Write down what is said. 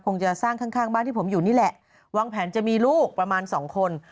คงจะสร้างข้างข้างบ้านที่ผมอยู่นี่แหละวางแผนจะมีลูกประมาณสองคน